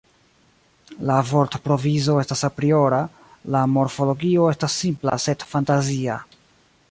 La vortprovizo estas apriora, la morfologio estas simpla sed fantazia.